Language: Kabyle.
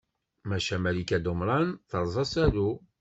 Maca Malika Dumran terẓa asalu.